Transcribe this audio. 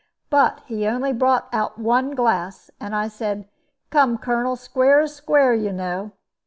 But he only brought out one glass; and I said, 'Come, Colonel, square is square, you know.'